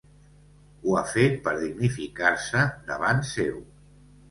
Ho ha fet per dignificar-se davant seu.